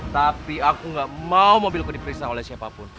tapi aku nggak mau mobilku diperiksa oleh siapapun